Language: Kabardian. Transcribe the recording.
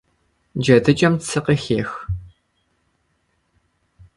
ДжэдыкӀэм цы къыхех.